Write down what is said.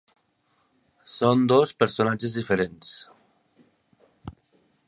Són dos personatges diferents.